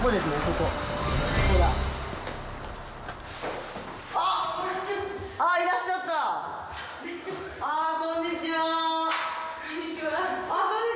こんにちは。